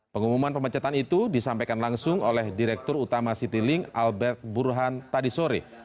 pengumuman pemecatan itu disampaikan langsung oleh direktur utama citylink albert burhan tadi sore